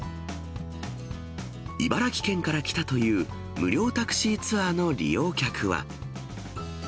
茨城県から来たという無料タクシーツアーの利用客は。